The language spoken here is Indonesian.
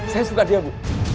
saya suka dia bu